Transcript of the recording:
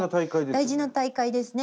大事な大会ですね。